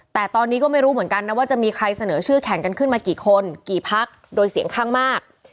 แต่ตอนนี้ก็ไม่รู้เหมือนกันนะว่าจะมีใครเสนอชื่อแข่งกันขึ้นมากี่คนกี่พักโดยเสียงข้างมาก